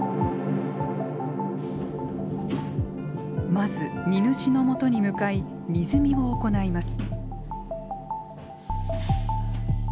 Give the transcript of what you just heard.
まず荷主のもとに向かい荷積みを行います。